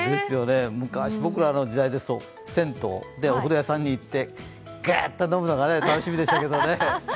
昔、僕らの時代ですと銭湯でお風呂屋さんに行ってガーッと飲むのが楽しみでしたけどね。